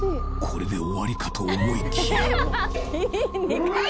これで終わりかと思いきやうわ！